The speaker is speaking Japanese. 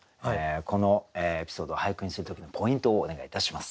このエピソードを俳句にする時のポイントをお願いいたします。